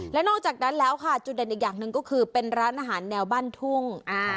และนอกจากนั้นแล้วค่ะจุดเด่นอีกอย่างหนึ่งก็คือเป็นร้านอาหารแนวบ้านทุ่ง